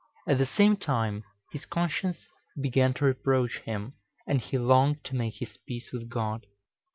At the same time his conscience began to reproach him, and he longed to make his peace with God.